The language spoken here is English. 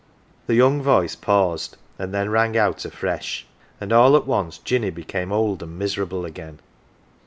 The young voice paused, and then rang out afresh ; and all at once Jinny became old and miserable again.